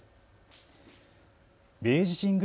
明治神宮